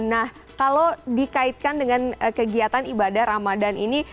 nah kalau dikaitkan dengan kegiatan ibadah ramadan ini